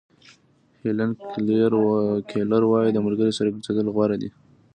هیلن کیلر وایي د ملګري سره ګرځېدل غوره دي.